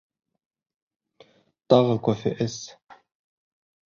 Тағы кофе эс.